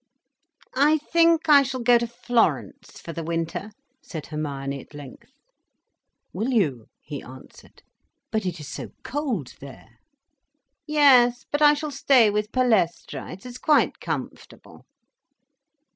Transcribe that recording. "I think I shall go to Florence for the winter," said Hermione at length. "Will you?" he answered. "But it is so cold there." "Yes, but I shall stay with Palestra. It is quite comfortable."